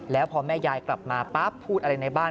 แล้วพอแม่ยายกลับมาปั๊บพูดอะไรในบ้าน